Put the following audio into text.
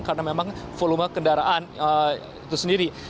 karena memang volume kendaraan itu sendiri